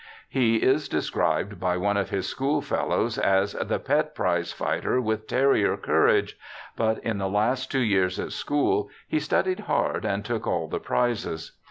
He is described by one of his schoolfellows as 'the pet prize fighter with terrier courage', but in the last two years at school he studied hard and took all the prizes.